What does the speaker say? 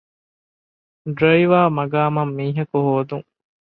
ޑްރައިވަރ މަގާމަށް މީހަކު ހޯދުން